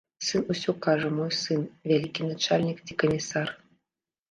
Сын, усё кажа, мой сын вялікі начальнік ці камісар.